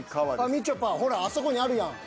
みちょぱほらあそこにあるやん。